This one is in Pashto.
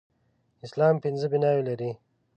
اسلام پنځه بناوې لري